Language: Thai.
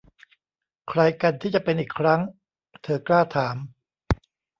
'ใครกันที่จะเป็นอีกครั้ง ?' เธอกล้าถาม